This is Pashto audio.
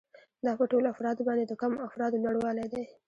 دا په ټولو افرادو باندې د کمو افرادو لوړوالی دی